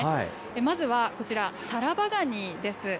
まずはこちら、タラバガニです。